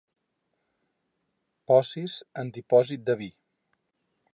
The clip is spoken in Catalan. Posis en dipòsits de vi.